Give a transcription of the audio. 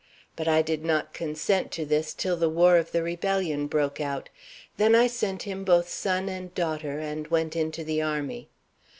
But I did not consent to this till the war of the rebellion broke out; then I sent him both son and daughter, and went into the army.